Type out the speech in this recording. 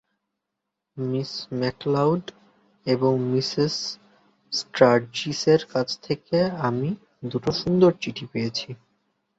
Miss McLeod এবং Mrs স্টার্জিস-এর কাছ থেকে আমি দুটি সুন্দর চিঠি পেয়েছি।